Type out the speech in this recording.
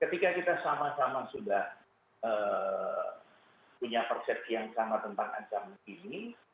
ketika kita sama sama sudah punya persepsi yang sama tentang ancaman ini